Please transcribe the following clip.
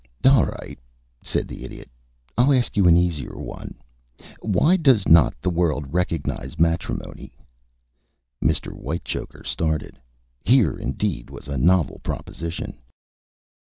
"All right," said the Idiot. "I'll ask you an easier one. Why does not the world recognize matrimony?" Mr. Whitechoker started. Here, indeed, was a novel proposition.